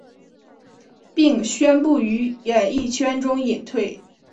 并宣布于演艺圈中隐退。